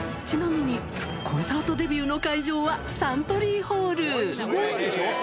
ちなみに、コンサートデビューの会場はサントリーホール。